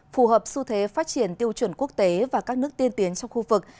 phù hợp xu thế phát triển tiêu chuẩn quốc tế và các nước tiên tiến trong khu vực